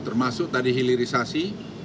termasuk tadi hilirisasi